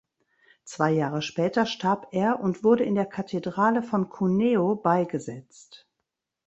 Zwei Jahre später starb er und wurde in der Kathedrale von Cuneo beigesetzt.